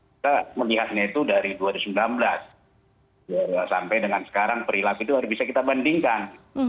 kita melihatnya itu dari dua ribu sembilan belas sampai dengan sekarang perilaku itu harus bisa kita bandingkan